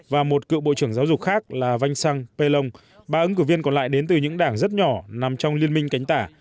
và một cựu bộ trưởng giáo dục khác là vanh sang pelon ba ứng cử viên còn lại đến từ những đảng rất nhỏ nằm trong liên minh cánh tả